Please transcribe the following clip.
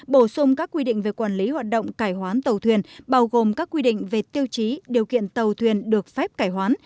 bổ sung các quy định về quản lý hoạt động cải hoán tàu thuyền bao gồm các quy định về tiêu chí điều kiện tàu thuyền được phép cải hoán